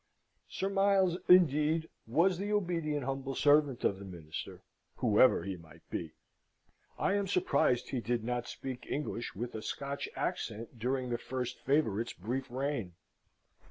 Sir, Miles indeed was the obedient humble servant of the Minister, whoever he might be. I am surprised he did not speak English with a Scotch accent during the first favourite's brief reign.